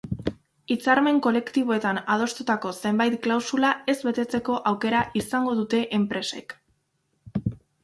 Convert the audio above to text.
Hitzarmen kolektiboetan adostutako zenbait klausula ez betetzeko aukera izango dute enpresek.